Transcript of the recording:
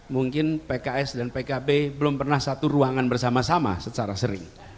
mungkin pks dan pkb belum pernah satu ruangan bersama sama secara sering